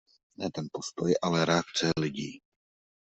Ne ten postoj, ale reakce lidí.